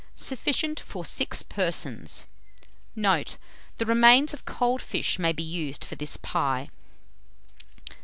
Sufficient for 6 persons. Note. The remains of cold fish may be used for this pie.